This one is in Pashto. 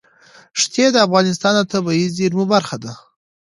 ښتې د افغانستان د طبیعي زیرمو برخه ده.